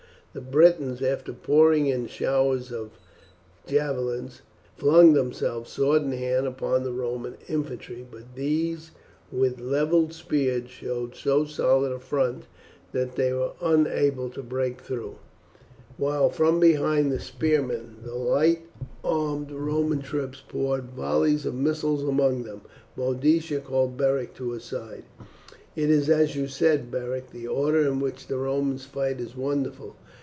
The Britons, after pouring in showers of javelins, flung themselves, sword in hand, upon the Roman infantry; but these with levelled spears showed so solid a front that they were unable to break through, while from behind the spearmen, the light armed Roman troops poured volleys of missiles among them. Boadicea called Beric to her side. "It is as you said, Beric; the order in which the Romans fight is wonderful.